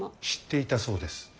知っていたそうです。